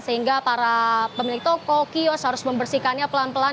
sehingga para pemilik toko kios harus membersihkannya pelan pelan